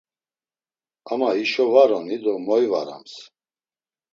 Ama hişo var oni do moyvarams?